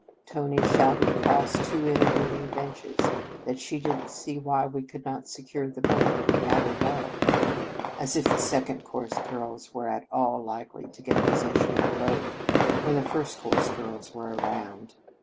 Tony shouted across two intervening benches that she did n t see why we could not secure the boat, and have a row, as if the Second Cours girls were at all likely to get possession of the boat when the First Cours girls were around.